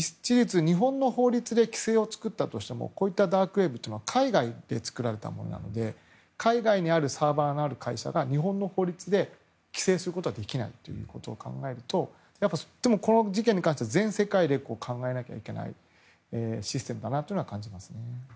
日本の法律で規制を作ってもダークウェブは海外で作られたものなので海外にあるサーバーが日本の法律で規制することはできないということを考えるとでもこの事件に関しては全世界で考えなきゃいけないシステムだなとは感じます。